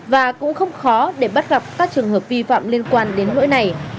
và cũng không khó để bắt gặp các trường hợp vi phạm liên quan đến lỗi này